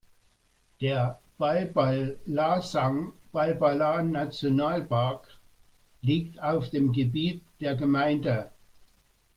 Der Balbalasang-Balbalan-Nationalpark liegt auf dem Gebiet der Gemeinde.